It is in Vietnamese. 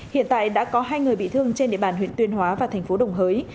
hiện tại đã có hai người bị thương trên địa bàn huyện tuyên hóa và thành phố đồng hới